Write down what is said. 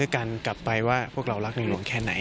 กันกลับไปว่าพวกเรารักในหลวงแค่ไหน